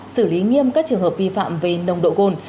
xử lý nghiêm các trường hợp vi phạm về nồng độ cồn